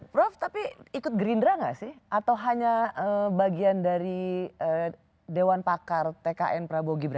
prof tapi ikut gerindra nggak sih atau hanya bagian dari dewan pakar tkn prabowo gibran